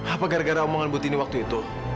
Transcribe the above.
apa gara gara omongan butini waktu itu